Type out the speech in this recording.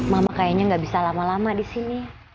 mama kayaknya gak bisa lama lama di sini